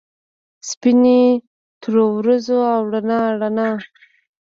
سپینې ترورځو ، او رڼا ، رڼا